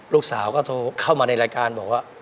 ลูกสาวก็โทรเข้ามาในรายการบอกว่า